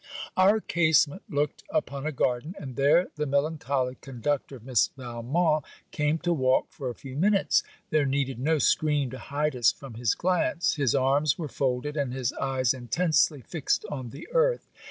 Our casement looked upon a garden, and there the melancholy conductor of Miss Valmont came to walk for a few minutes. There needed no screen to hide us from his glance. His arms were folded, and his eyes intensely fixed on the earth.